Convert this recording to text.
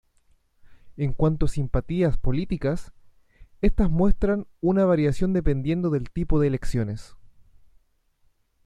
En cuanto a simpatías políticas, estas muestran una variación dependiendo del tipo de elecciones.